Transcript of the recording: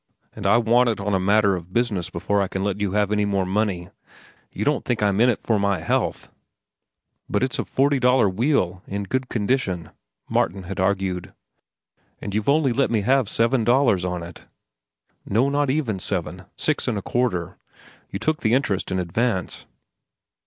"And I want it on a matter of business before I can let you have any more money. You don't think I'm in it for my health?" "But it's a forty dollar wheel, in good condition," Martin had argued. "And you've only let me have seven dollars on it. No, not even seven. Six and a quarter; you took the interest in advance."